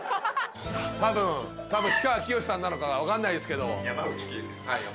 たぶん氷川きよしさんなのか分かんないですけど。